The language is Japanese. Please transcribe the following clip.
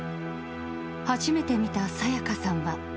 初めて見たさやかさんは。